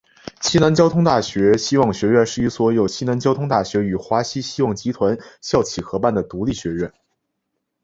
西南交通大学希望学院是一所由西南交通大学与华西希望集团校企合办的独立学院。